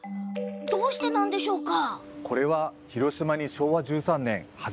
どうしてなんでしょうか？